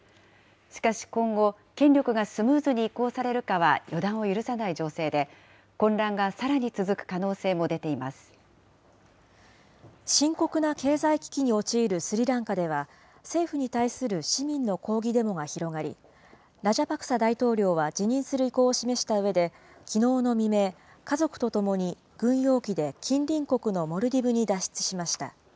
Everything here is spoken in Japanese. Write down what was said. しかし、今後、権力がスムーズに移行されるかは予断を許さない情勢で、混乱がさらに続く可能性も深刻な経済危機に陥るスリランカでは、政府に対する市民の抗議デモが広がり、ラジャパクサ大統領は辞任する意向を示したうえで、きのうの未明、家族と共に軍用機で近隣国のモルディブに脱出しました。